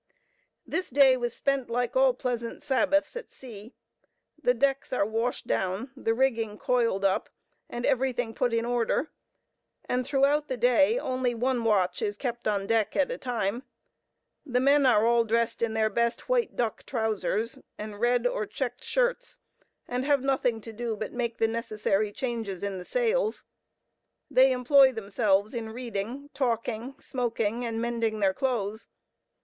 This day was spent like all pleasant Sabbaths at sea. The decks are washed down, the rigging coiled up, and everything put in order; and throughout the day, only one watch is kept on deck at a time. The men are all dressed in their best white duck trousers, and red or checked shirts, and have nothing to do but to make the necessary changes in the sails. They employ themselves in reading, talking, smoking, and mending their clothes.